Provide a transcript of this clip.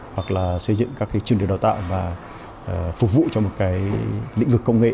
hoặc là xây dựng các chương trình đào tạo và phục vụ cho một cái lĩnh vực công nghệ